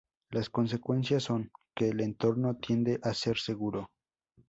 Las consecuencias son: que el entorno tiende a ser seguro.